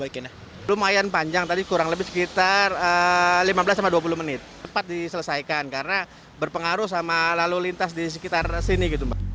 karena berpengaruh sama lalu lintas di sekitar sini